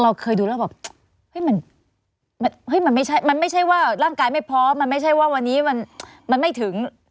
เราเคยดูแล้วแบบเฮ้ยมันไม่ใช่ว่าร่างกายไม่พอมันไม่ใช่ว่าวันนี้มันไม่ถึง